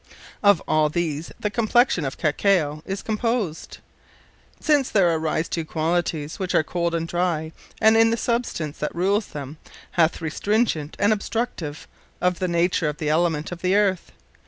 Of all these the Complexion of Cacao is composed, since there arise two qualities, which are cold, and dry; and in the substance, that rules them, hath it restringent and obstructive, of the nature of the Element of the Earth.